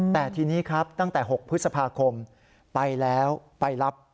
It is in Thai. แต่ทีนี้ครับตั้งแต่๖พฤษภาคมไปแล้วไปรับ